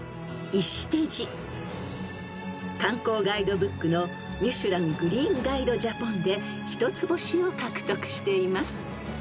［観光ガイドブックの『ミシュラン・グリーンガイド・ジャポン』で一つ星を獲得しています］